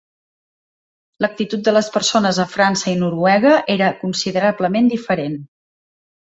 L'actitud de les persones a França i Noruega era considerablement diferent.